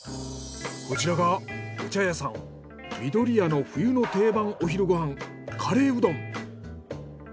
こちらがお茶屋さんみどりやの冬の定番お昼ご飯カレーうどん。